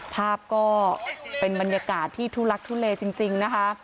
ภาพก็เป็นบรรยากาศที่ทุลักทุเลจริงนะคะ